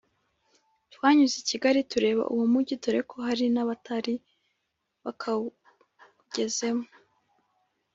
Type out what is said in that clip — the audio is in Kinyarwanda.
twanyuze i kigali tureba uwo mugi dore ko hari n’abatari bakawugezemo